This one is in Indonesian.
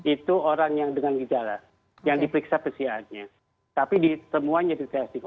itu orang yang dengan gejala yang diperiksa kecepatannya tapi di semuanya di testing